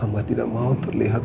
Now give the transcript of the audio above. amba tidak mau terlihat